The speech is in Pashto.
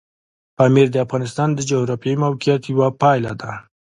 پامیر د افغانستان د جغرافیایي موقیعت یوه پایله ده.